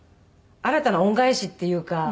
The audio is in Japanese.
新たな恩返しっていうか。